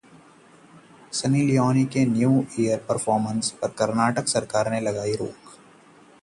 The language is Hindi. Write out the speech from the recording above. सनी लियोनी के न्यू ईयर परफॉर्मेंस पर कर्नाटक सरकार ने लगाई रोक